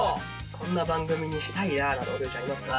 こんな番組にしたいななど涼ちゃんありますか？